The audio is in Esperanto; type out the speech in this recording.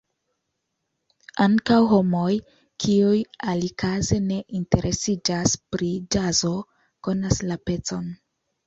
Ankaŭ homoj, kiuj alikaze ne interesiĝas pri ĵazo, konas la pecon.